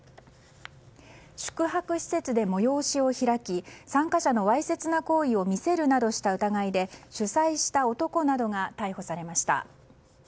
宿泊施設で催しを開き参加者のわいせつな行為を見せるなどした疑いで主催した男などが逮捕されました。